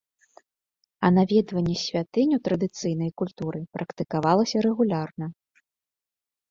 А наведванне святынь у традыцыйнай культуры практыкавалася рэгулярна.